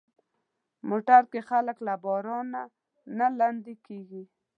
موټر کې خلک له بارانه نه لندي کېږي.